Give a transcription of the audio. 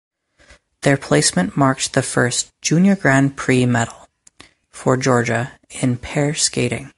Their placement marked the first Junior Grand Prix medal for Georgia in pair skating.